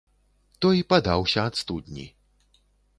Той падаўся ад студні.